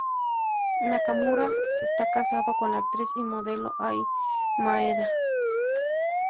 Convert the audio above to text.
Nakamura está casado con la actriz y modelo Ai Maeda.